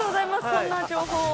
そんな情報を。